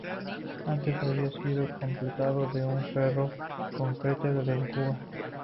Antes había sido empleado de Ferro-Concreter en Cuba.